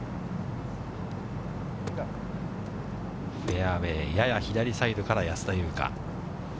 フェアウエー、やや左サイドから安田祐香。